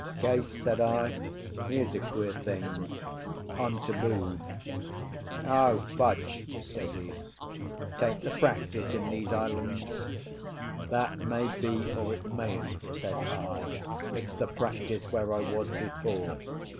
"Case," said I, "here's a queer thing. I'm tabooed." "O, fudge!" says he; "'tain't the practice in these islands." "That may be, or it mayn't," said I. "It's the practice where I was before.